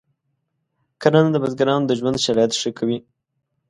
کرنه د بزګرانو د ژوند شرایط ښه کوي.